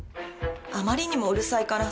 あまりにもうるさいから。